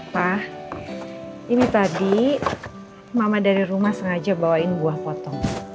pak ini tadi mama dari rumah sengaja bawain buah potong